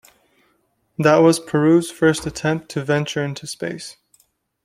This was Peru's first attempt to venture into space.